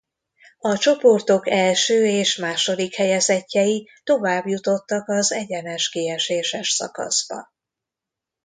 A csoportok első és második helyezettjei továbbjutottak az egyenes kieséses szakaszba.